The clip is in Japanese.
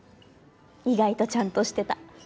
意外とちゃんとしてた。